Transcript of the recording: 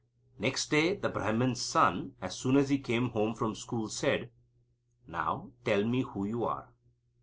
Next day the Brahman's son, as soon as he came home from school, said: "Now, tell me who you are."